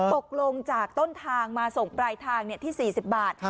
ตกลงจากต้นทางมาส่งปลายทางที่๔๐บาท